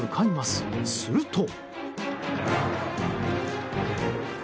すると。